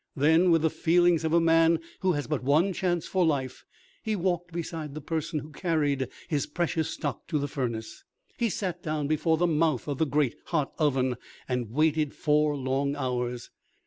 Then, with the feelings of a man who has but one chance for life, he walked beside the person who carried his precious stock to the furnace. He sat down before the mouth of the great hot oven, and waited four long hours.